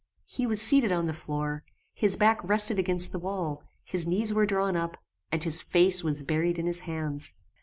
He was seated on the floor, his back rested against the wall, his knees were drawn up, and his face was buried in his hands.